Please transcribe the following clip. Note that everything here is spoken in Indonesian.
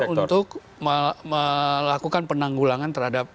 untuk melakukan penanggulangan terhadap